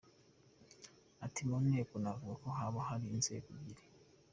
Ati “Mu nteko navuga ko haba hari nk’inzego ebyiri.